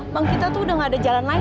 bang kita tuh udah gak ada jalan lain